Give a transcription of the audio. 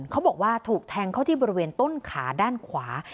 เขาบอกว่าถูกแทงเข้าที่บริเวณต้นขาด้านขวา